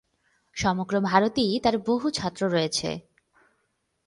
সমগ্র ভারতেই তার বহু ছাত্র রয়েছে।